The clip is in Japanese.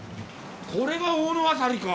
これが大野あさりか！